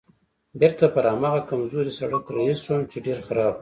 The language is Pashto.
بېرته پر هماغه کمزوري سړک رهي شوم چې ډېر خراب و.